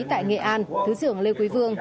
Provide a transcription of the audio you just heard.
tại nghệ an thứ trưởng lê quý vương